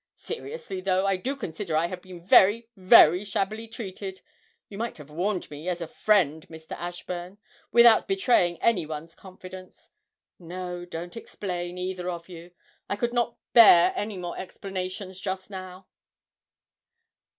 Seriously, though, I do consider I have been very, very shabbily treated you might have warned me as a friend, Mr. Ashburn, without betraying any one's confidence! No, don't explain, either of you: I could not bear any more explanations just now!'